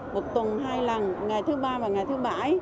một tuần hai lần ngày thứ ba và ngày thứ bảy